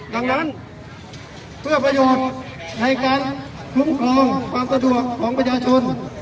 ดังนั้นเพื่อประโยชน์ในการคุ้มครองความสะดวกของประชาชน